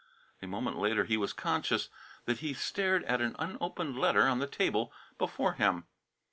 A moment later he was conscious that he stared at an unopened letter on the table before him.